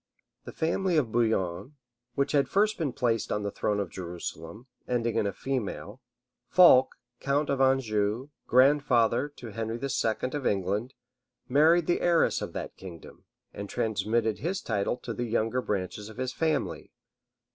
The family of Bouillon, which had first been placed on the throne of Jerusalem, ending in a female, Fulk, count of Anjou, grandfather to Henry II. of England, married the heiress of that kingdom, and transmitted his title to the younger branches of his family.